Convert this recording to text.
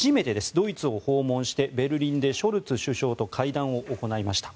ドイツを訪問してベルリンでショルツ首相と会談を行いました。